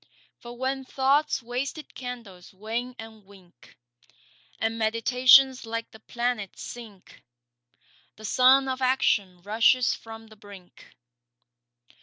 For when Thought's wasted candles wane and wink, And meditations like the planets sink, The sun of Action rushes from the brink.